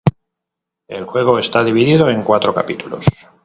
El juego está dividido en cuatro capítulos.